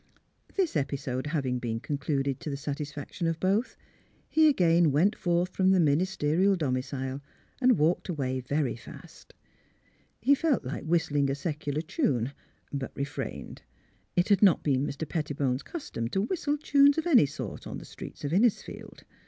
This episode having been concluded to the sat isfaction of both, he again went forth from the ministerial domicile and walked away very fast. He felt like whistling a secular tune, but refrained. It had not been Mr, Pettibone 's custom to whistle tunes of any sort on the streets of Innisfield.